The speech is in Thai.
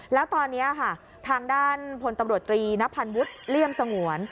แล้วตอนนี้ค่ะทางด้านพลตำรวจตรีนพันธ์วุฒิเลี่ยมสงวน